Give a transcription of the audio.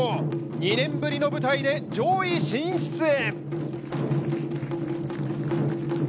２年ぶりの舞台で上位進出へ。